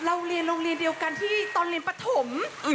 เรียนโรงเรียนเดียวกันที่ตอนเรียนปฐม